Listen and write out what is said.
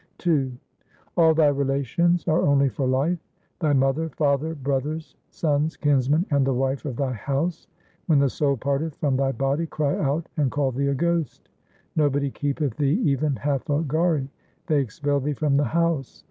II All thy relations are only for life ; Thy mother, father, brothers, sons, kinsmen, and the wife of thy house, When the soul parteth from thy body, cry out and call thee a ghost ; Nobody keepeth thee even half a ghari ; they expel thee from the house.